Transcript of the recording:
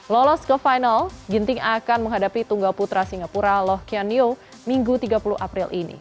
lolos ke final ginting akan menghadapi tunggal putra singapura loh kian you minggu tiga puluh april ini